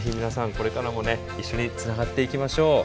これからもね一緒につながっていきましょう。